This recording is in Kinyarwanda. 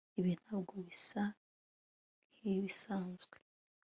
Ibi ntabwo bisa nkibisanzwe